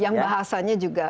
yang bahasanya juga